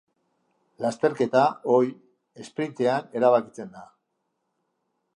Lasterketa, ohi, esprintean erabakitzen da.